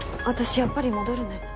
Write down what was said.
私やっぱり戻るね。